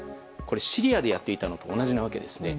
シリアでやっていたのと同じわけですね。